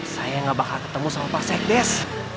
saya gak bakal ketemu sama pak sekdes